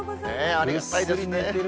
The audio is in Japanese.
ありがたいですね。